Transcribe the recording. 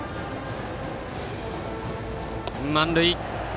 満塁。